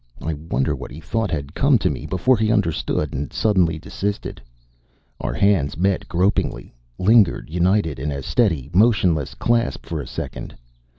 I wonder what he thought had come to me before he understood and suddenly desisted. Our hands met gropingly, lingered united in a steady, motionless clasp for a second.